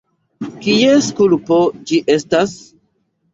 Kies kulpo ĝi estas?